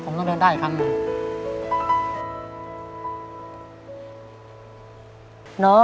ผมต้องเดินได้อีกครั้งหนึ่ง